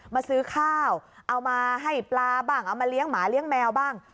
มาซื้อข้าวเอามาให้ปลาบ้างเอามาเลี้ยงหมาเลี้ยงแมวบ้าง